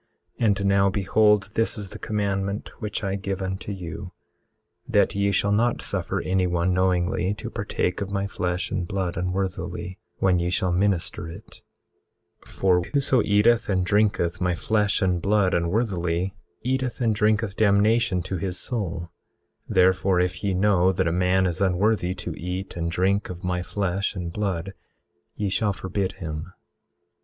18:28 And now behold, this is the commandment which I give unto you, that ye shall not suffer any one knowingly to partake of my flesh and blood unworthily, when ye shall minister it; 18:29 For whoso eateth and drinketh my flesh and blood unworthily eateth and drinketh damnation to his soul; therefore if ye know that a man is unworthy to eat and drink of my flesh and blood ye shall forbid him.